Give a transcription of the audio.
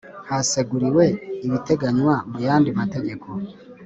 Haseguriwe ibiteganywa mu yandi mategeko